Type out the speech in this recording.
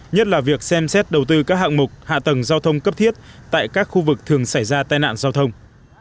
nhất là việc xem xét đầu tư các hạng mục hạ tầng giao thông cấp thiết tại các khu vực thường xảy ra tai nạn giao thông